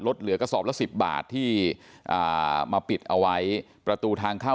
เหลือกระสอบละ๑๐บาทที่มาปิดเอาไว้ประตูทางเข้า